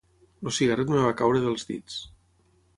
El cigarret em va caure dels dits.